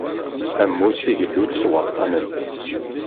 Ammus igellu-d s waṭṭanen.